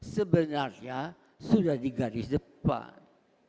sebenarnya sudah di garis depan